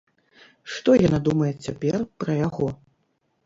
Што яна думае цяпер пра яго?